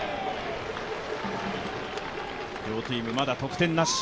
両チーム、まだ得点なし。